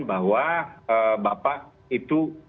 bahwa bapak itu